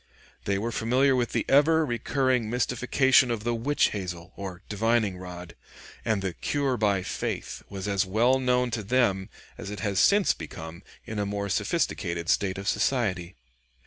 They were familiar with the ever recurring mystification of the witch hazel, or divining rod; and the "cure by faith" was as well known to them as it has since become in a more sophisticated state of society.